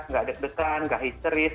nggak deg degan nggak histeris